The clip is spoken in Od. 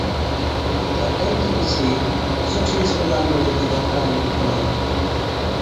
تہ تُرت ڪِسِي سُٺِي اِسپتالِي ۾ جتِي ڊاڪٽرا نُون ڏيکاڻا۔